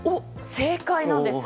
正解なんです！